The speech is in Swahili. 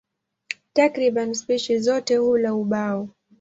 Takriban spishi zote hula ubao.